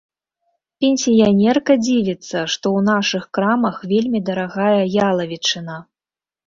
Пенсіянерка дзівіцца, што ў нашых крамах вельмі дарагая ялавічына.